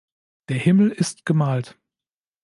Der Himmel ist gemalt.